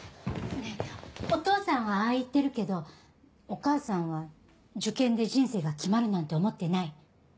お父さんはああ言ってるけどお母さんは受験で人生が決まるなんて思ってない。